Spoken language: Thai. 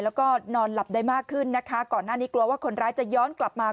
แล้วก็นอนหลับได้มากขึ้นนะคะก่อนหน้านี้กลัวว่าคนร้ายจะย้อนกลับมา